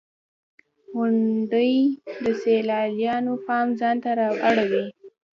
• غونډۍ د سیلانیانو پام ځان ته را اړوي.